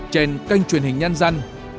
trên kênh truyền hình nhân dân